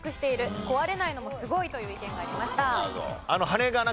壊れないのもすごいという意見がありました。